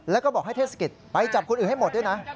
แล้วก็บอกให้เทศกิจไปจับคนอื่นให้หมดด้วยนะ